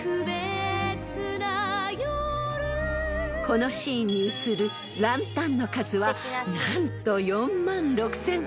［このシーンに映るランタンの数は何と４万６，０００個］